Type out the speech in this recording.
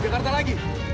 kau akan menang